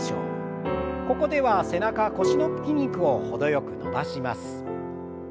ここでは背中腰の筋肉を程よく伸ばします。